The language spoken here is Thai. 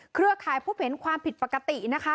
เครือข่ายพบเห็นความผิดปกตินะคะ